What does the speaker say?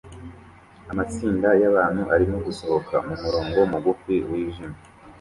Amatsinda yabantu arimo gusohoka mumurongo mugufi wijimye